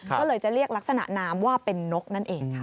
ก็เลยจะเรียกลักษณะนามว่าเป็นนกนั่นเองค่ะ